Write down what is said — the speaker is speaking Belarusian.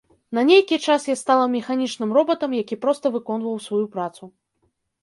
На нейкі час я стала механічным робатам, які проста выконваў сваю працу.